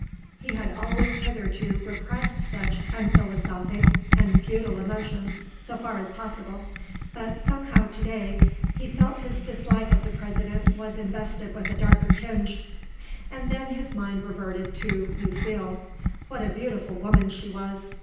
He had always hitherto repressed such unphilosophic and futile emotions so far as possible, but somehow to day he felt his dislike of the President was invested with a darker tinge. And then his mind reverted to Lucile. What a beautiful woman she was!